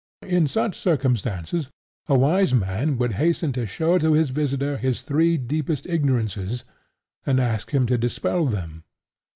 In such circumstances a wise man would hasten to show to his visitor his three deepest ignorances, and ask him to dispel them.